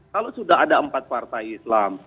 kalau sudah ada empat partai islam